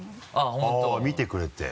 あっ見てくれて。